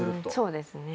そうですね。